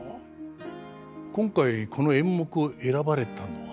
今回この演目を選ばれたのは？